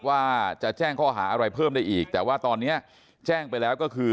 ว่าจะแจ้งข้อหาอะไรเพิ่มได้อีกแต่ว่าตอนนี้แจ้งไปแล้วก็คือ